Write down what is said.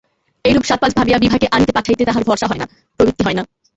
এইরূপ সাত-পাঁচ ভাবিয়া বিভাকে আনিতে পাঠাইতে তাঁহার ভরসা হয় না, প্রবৃত্তি হয় না।